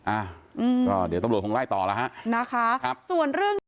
อ่าเดี๋ยวตำรวจคงไล่ต่อแล้วฮะนะคะส่วนเรื่อง